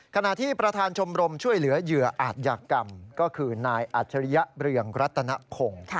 ขณะที่ประธานชมรมช่วยเหลือเหยื่ออาจยากรรมก็คือนายอัจฉริยะเรืองรัตนพงศ์